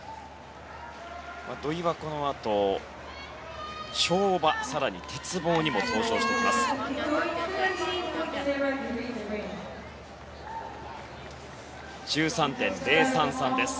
土井はこのあと跳馬、鉄棒にも登場してきます。１３．０３３です。